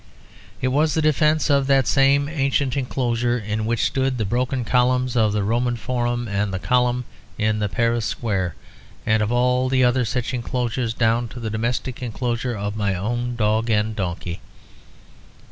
It was the defence of that same ancient enclosure in which stood the broken columns of the Roman forum and the column in the Paris square, and of all other such enclosures down to the domestic enclosures of my own dog and donkey.